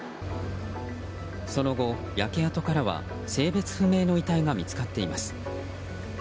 その後、焼け跡からは性別不明の遺体が見つかっています。